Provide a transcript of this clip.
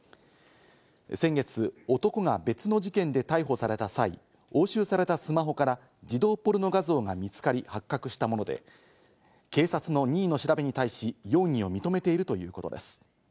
先月、男が別の事件で逮捕された際、押収されたスマホから児童ポルノ画像が見つかり発覚したもので、警察の任意の調べに対し、容疑を認めているということです。